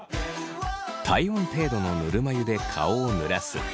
体温程度のぬるま湯で顔をぬらす。